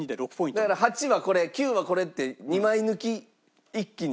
だから８はこれ９はこれって２枚抜き一気に。